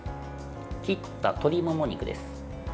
切った鶏もも肉です。